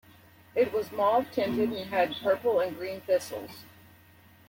It was mauve-tinted, and had purple and green thistles.